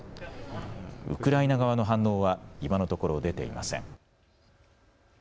ウクライナ側の反応は今のところ出ていません。